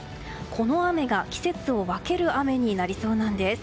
この雨が、季節を分ける雨になりそうなんです。